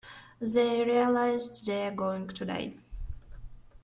They realize they are going to die.